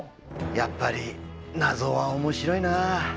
やっぱり謎は面白いなあ